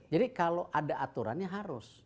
jadi kalau ada aturannya harus